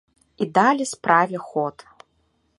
І далі справе ход.